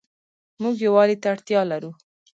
مونږ يووالي ته اړتيا لرو